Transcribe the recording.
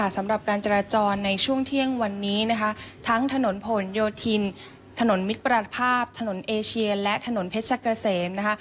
สำหรับการจราจรในช่วงเที่ยงวันนี้นะคะทั้งถนนผลโยธินถนนมิตรประภาพถนนเอเชียและถนนเพชรกะเสมนะคะ